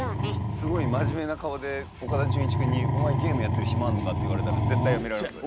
すごい真面目な顔で岡田准一くんに「お前ゲームやってるヒマあるのか？」って言われたら絶対やめられますよ。